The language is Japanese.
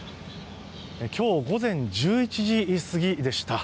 今日午前１１時過ぎでした。